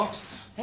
え？